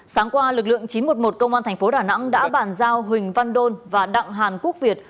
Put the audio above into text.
sáng qua lực lượng chín trăm một mươi một công an tp hcm đã bàn giao huỳnh văn đôn và đặng hàn quốc việt